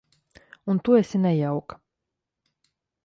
Un tu esi nejauka.